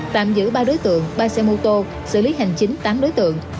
tạm giữ ba đối tượng ba xe mô tô xử lý hành chính tám đối tượng